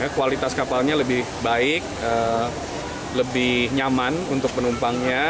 kualitas kapalnya lebih baik lebih nyaman untuk penumpangnya